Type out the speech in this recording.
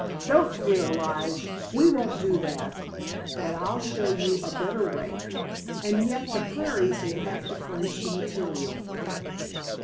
"Don't fear, Lige, we won't do that, but I'll show you a better way, and yet the prairies will have to furnish the material."